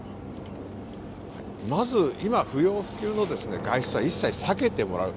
まず今、不要不急の外出は一切避けてもらう。